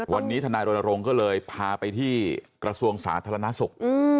วันนี้ทนายรณรงค์ก็เลยพาไปที่กระทรวงสาธารณสุข